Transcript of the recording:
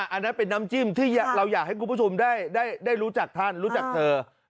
อันนั้นเป็นน้ำจิ้มที่เราอยากให้คุณผู้ชมได้รู้จักท่านรู้จักเธอ